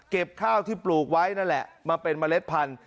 ข้าวที่ปลูกไว้นั่นแหละมาเป็นเมล็ดพันธุ